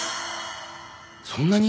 そんなに？